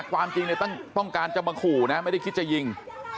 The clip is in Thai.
ความจริงต้องการจะมาขู่นะไม่ได้คิดจะยิง